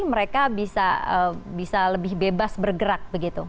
mereka bisa lebih bebas bergerak begitu